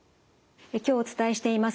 今日お伝えしています